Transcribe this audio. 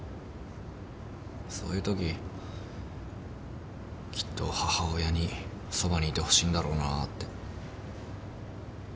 そういうとききっと母親にそばにいてほしいんだろうなって。